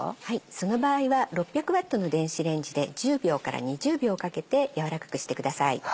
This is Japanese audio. その場合は６００Ｗの電子レンジで１０秒から２０秒かけて軟らかくしてください。